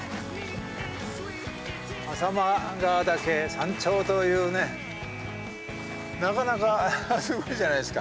朝熊ヶ岳山頂というねなかなかすごいじゃないですか。